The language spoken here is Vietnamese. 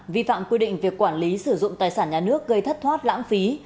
vi phạm quy định về quản lý sử dụng tài sản nhà nước gây thất thoát lãng phí